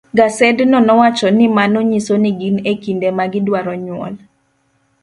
Gasedno nowacho ni mano nyiso ni gin e kinde ma gidwaro nyuol.